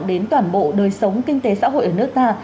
đến toàn bộ đời sống kinh tế xã hội ở nước ta